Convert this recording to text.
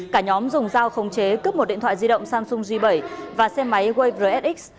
cả nhóm dùng dao không chế cướp một điện thoại di động samsung g bảy và xe máy wave rsx